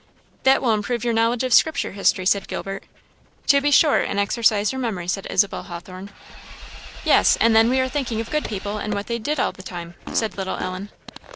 "That will improve your knowledge of scripture history," said Gilbert. "To be sure; and exercise our memory," said Isabel Hawthorn. "Yes, and then we are thinking of good people and what they did all the time," said little Ellen.